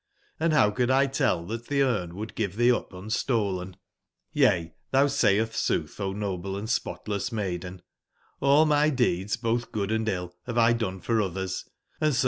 Hnd how could! tell that thcSmc would give thee up unstolen ? Yea, thou sayeth sooth, O noble and spotless maiden ; all my deeds, both good and ill, have! done for others ; and so